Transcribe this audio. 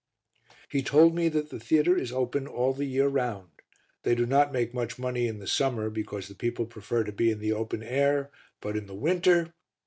He told me that the theatre is open all the year round; they do not make much money in the summer because the people prefer to be in the open air, but in the winter